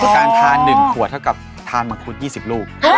การทาน๑ขวดเท่ากับทานมังคุด๒๐ลูก